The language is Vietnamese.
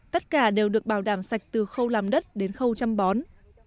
tất cả đều được bảo đảm sạch từ khâu làm đất đến khâu chăm bón